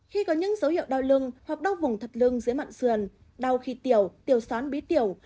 khi có những dấu hiệu đau lưng hoặc đau vùng thật lưng dưới mặn xườn đau khi tiểu tiểu xoán bí tiểu